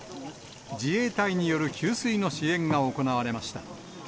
自衛隊による給水の支援が行われました。